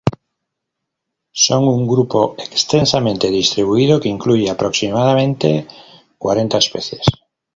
Son un grupo extensamente distribuido que incluye aproximadamente cuarenta especies.